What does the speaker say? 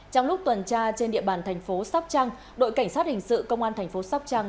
trong lúc tuần tra trên địa bàn thành phố sóc trăng đội cảnh sát hình sự công an thành phố sóc trăng